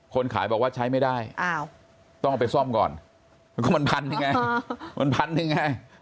คนขายบอกว่าใช้ไม่ได้ต้องเอาไปซ่อมก่อนก็มันพันหนึ่งไงมันพันหนึ่งไง